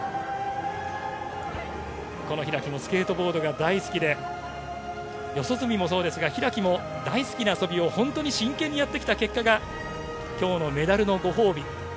開もスケートボードが大好きで、四十住もそうですが、開も大好きな遊びを真剣にやってきた結果が今日のメダルのご褒美。